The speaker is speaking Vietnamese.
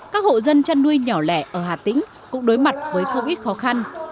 các hộ dân chăn nuôi nhỏ lẻ ở hà tĩnh cũng đối mặt với không ít khó khăn